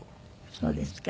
そうですか。